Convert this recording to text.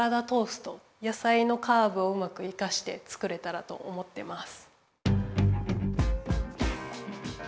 野さいのカーブをうまく生かして作れたらと思ってます。